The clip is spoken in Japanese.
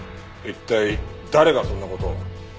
一体誰がそんな事を？